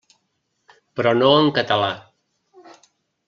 Però no en català.